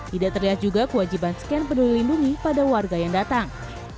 tidak terlihat juga kewajiban scan peduli lindungi pada warga yang datang